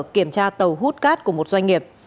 kiểm tra tàu hút cát của một doanh nghiệp